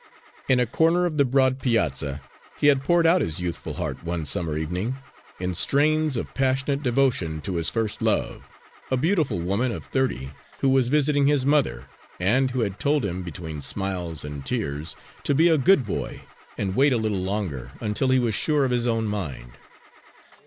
In a corner of the broad piazza, he had poured out his youthful heart, one summer evening, in strains of passionate devotion, to his first love, a beautiful woman of thirty who was visiting his mother, and who had told him between smiles and tears, to be a good boy and wait a little longer, until he was sure of his own mind.